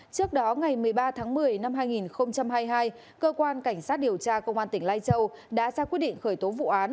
trước đó ngày một mươi ba tháng một mươi năm hai nghìn hai mươi hai cơ quan cảnh sát điều tra công an tỉnh lai châu đã ra quyết định khởi tố vụ án